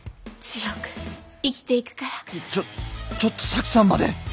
ちょちょっと沙樹さんまで！